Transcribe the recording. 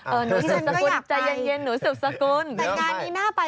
หนูสุดสกุลใจเย็นหนูสุดสกุลอยากไปก็อยากไป